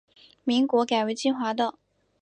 民国改为金华道。